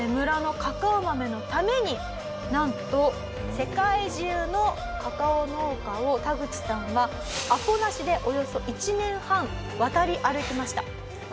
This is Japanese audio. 村のカカオ豆のためになんと世界中のカカオ農家をタグチさんはアポなしでおよそ１年半渡り歩きました。